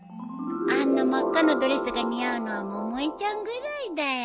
あんな真っ赤なドレスが似合うのは百恵ちゃんぐらいだよ。